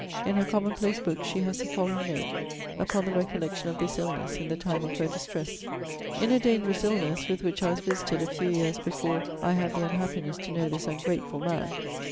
In her common place book she has the following note upon the recollection of this illness in the time of her distress: 'In a dangerous illness, with which I was visited a few years before I had the unhappiness to know this ungrateful man!